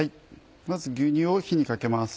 まず牛乳を火にかけます。